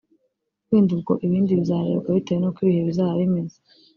wenda ubwo ibindi bizarebwa bitewe nuko ibihe bizaba bimeze